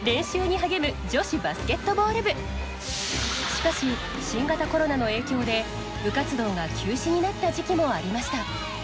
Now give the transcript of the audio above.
しかし新型コロナの影響で部活動が休止になった時期もありました。